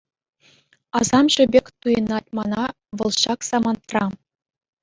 Асамҫӑ пек туйӑнать мана вӑл ҫак самантра.